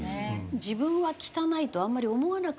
自分は汚いとあんまり思わなくなってっちゃう。